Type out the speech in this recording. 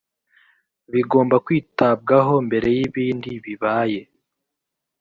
bigomba kwitabwaho mbere y ibindi bibaye